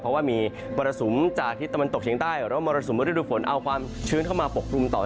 เพราะว่ามีมรศุมเจียดจากทิศตะวันตกเชียงใต้แล้วก็มรศุมรัดระดุฝนเอาความชื้นเข้ามาปกปรุมต่อเนื่อง